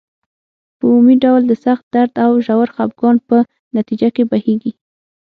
په عمومي ډول د سخت درد او ژور خپګان په نتیجه کې بهیږي.